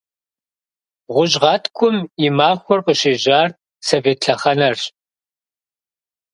Гъущӏ гъэткӏум и махуэр къыщежьар совет лъэхъэнэрщ.